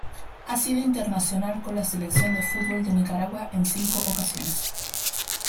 Ha sido internacional con la Selección de fútbol de Nicaragua en cinco ocasiones.